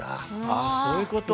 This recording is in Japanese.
ああそういうこと。